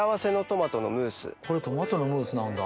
これトマトのムースなんだ。